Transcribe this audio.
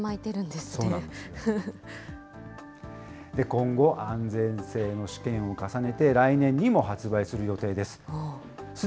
今後、安全性の試験を重ねて、来年にも発売する予定です。